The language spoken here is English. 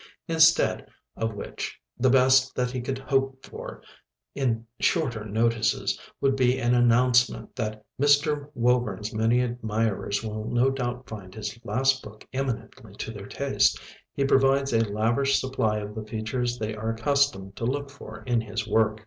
Instead of which the best that he could hope for in "shorter notices" would be an announcement that "Mr. Woburn's many admirers will no doubt find his last book eminently to their taste. He provides a lavish supply of the features they are accustomed to look for in his work."